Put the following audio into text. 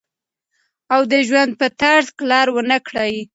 او د ژوند پۀ طرز کلر ونۀ کړي